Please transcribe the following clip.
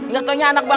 ini si lukman